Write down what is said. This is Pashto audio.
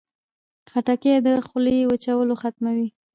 خټکۍ د خولې وچوالی ختموي.